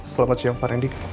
selamat siang pak randy